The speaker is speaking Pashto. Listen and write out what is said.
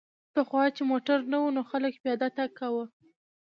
پخوا چې موټر نه و نو خلک پیاده تګ کاوه